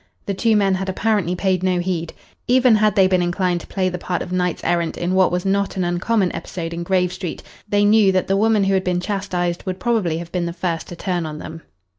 The two men had apparently paid no heed. Even had they been inclined to play the part of knights errant in what was not an uncommon episode in Grave Street, they knew that the woman who had been chastised would probably have been the first to turn on them.